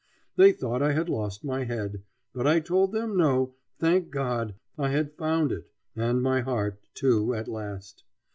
They thought I had lost my head, but I told them no, thank God! I had found it, and my heart, too, at last.